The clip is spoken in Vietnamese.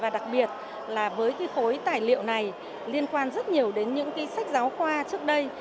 đặc biệt là với cái khối tài liệu này liên quan rất nhiều đến những sách giáo khoa trước đây